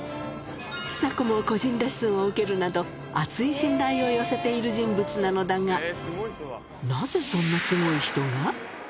ちさ子も個人レッスンを受けるなど、厚い信頼を寄せている人物なのだが、なぜそんなすごい人が？